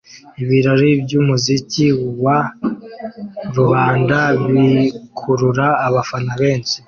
Ibirori byumuziki wa rubanda bikurura abafana benshi!